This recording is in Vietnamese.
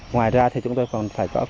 ngoài ra chúng ta còn phải